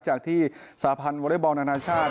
จากที่สาพันธ์วอเล็กบอลนานาชาติ